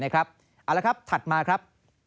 เอาละครับถัดมาครับ